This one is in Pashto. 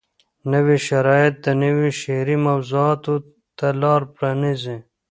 نوي شرایط نویو شعري موضوعاتو ته لار پرانیزي.